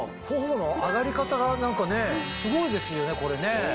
頬の上がり方が何かねすごいですよねこれね。